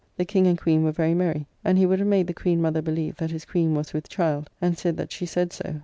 The King and Queen were very merry; and he would have made the Queen Mother believe that his Queen was with child, and said that she said so.